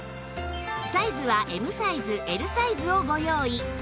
サイズは Ｍ サイズ Ｌ サイズをご用意